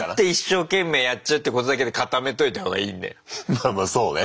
まあまあそうね。